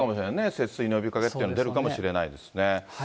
節水の呼びかけっていうのが出るかもしれないですね。